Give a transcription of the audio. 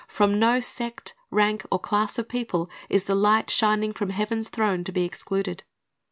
From no sect, rank, or class of people is the light shining from heaven's throne to be excluded.